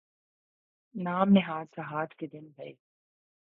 نام نہاد جہاد کے دن گئے۔